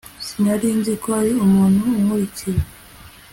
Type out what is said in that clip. sinari nzi ko hari umuntu unkurikira